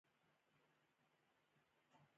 افغانستان د خپلو سیلابونو له پلوه یو متنوع هېواد دی.